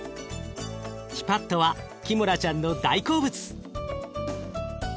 ティパットはキモラちゃんの大好物。